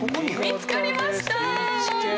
見つかりました！